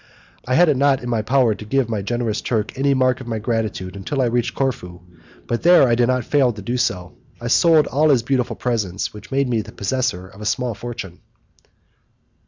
I had not it in my power to give my generous Turk any mark of my gratitude until I reached Corfu, but there I did not fail to do so. I sold all his beautiful presents, which made me the possessor of a small fortune.